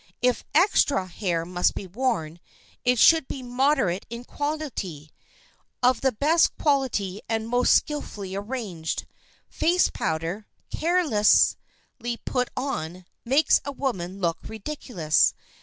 If "extra" hair must be worn, it should be moderate in quantity, of the best quality and most skilfully arranged. Face powder, carelessly put on, makes a woman look ridiculous.